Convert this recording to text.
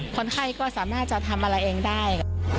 คนไข้ก็สามารถจะทำอะไรเองได้